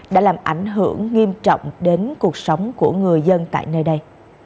đã làm ảnh hưởng nghiêm trọng đến cuộc sống của người dân tại nơi đây